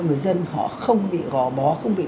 người dân họ không bị gò bó không bị